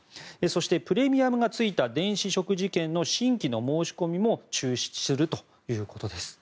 そしてプレミアムがついた電子食事券の新規申し込みも中止するということです。